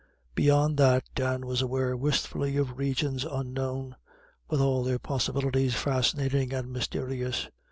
Beyond that Dan was aware wistfully of regions unknown, with all their possibilities fascinating and mysterious.